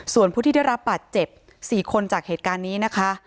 ส่วนผู้ที่ได้รับบาดเจ็บ๔คนจากเหตุการณ์นี้นะคะ